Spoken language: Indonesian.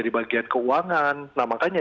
di bagian keuangan nah makanya